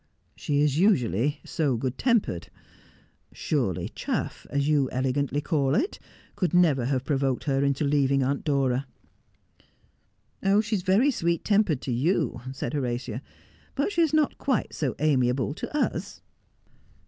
' She is usually so good tempered. Surely chaff, as you ele gantly call it, could never have provoked her into leaving Aunt Dora.' ' She is very sweet tempered to you,' said Horatia, ' but she is not quite so amiable to us.'